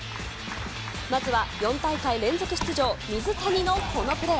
まずは４大会連続出場、水谷のこのプレー。